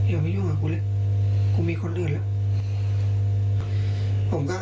อย่ามียุ่งกับกูเลยกูมีคนเสื้อเรื่องแล้ว